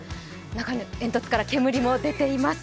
長い煙突から煙も出ています。